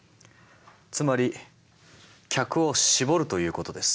つまり客を絞るということです。